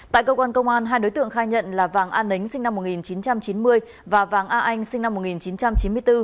tại cơ quan công an hai đối tượng khai nhận là vàng an nính sinh năm một nghìn chín trăm chín mươi và vàng a anh sinh năm một nghìn chín trăm chín mươi bốn